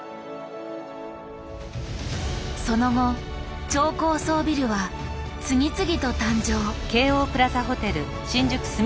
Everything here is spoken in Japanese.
その後超高層ビルは次々と誕生。